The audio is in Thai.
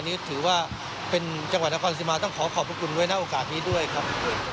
นี่ถือว่าเป็นจังหวัดนครสิมาต้องขอขอบพระคุณไว้หน้าโอกาสนี้ด้วยครับ